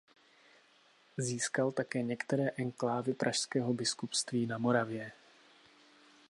Získal také některé enklávy pražského biskupství na Moravě.